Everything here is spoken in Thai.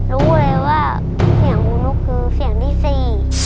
รู้เลยว่าเสียงอูนุ๊กคือเสียงที่สี่